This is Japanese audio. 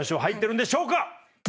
入ってるんでしょうか